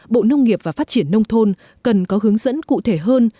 bộ nông nghiệp và phát triển nông thôn cần có hướng dẫn cụ thể hơn